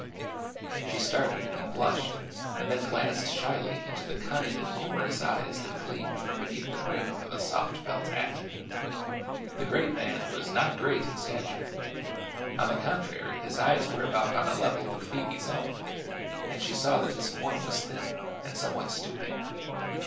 She started and blushed and then glanced shyly into the kind and humorous eyes that gleamed from beneath the brim of a soft felt hat. The Great Man was not great in stature; on the contrary his eyes were about on a level with Phoebe's own and she saw that his form was thin and somewhat stooping.